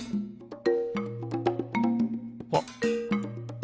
あっ！